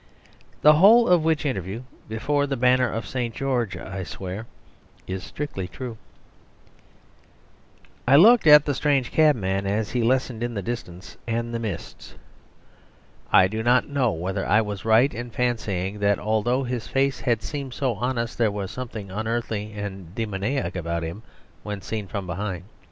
The whole of which interview, before the banner of St. George I swear, is strictly true. ..... I looked at the strange cabman as he lessened in the distance and the mists. I do not know whether I was right in fancying that although his face had seemed so honest there was something unearthly and demoniac about him when seen from behind.